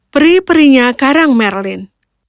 peri perinya karang merlin